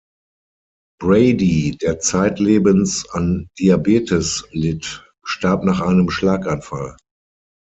Brady, der zeitlebens an Diabetes litt, starb nach einem Schlaganfall.